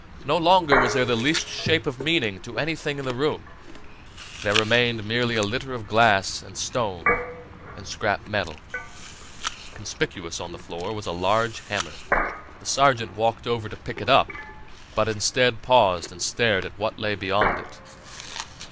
No longer was there the least shape of meaning to anything in the room; there remained merely a litter of glass and stone and scrap metal. Conspicuous on the floor was a large hammer. The sergeant walked over to pick it up, but, instead, paused and stared at what lay beyond it.